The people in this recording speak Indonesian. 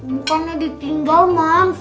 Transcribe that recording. bukannya ditinggal mams